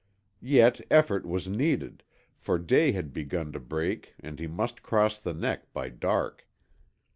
Yet effort was needed, for day had begun to break and he must cross the neck by dark.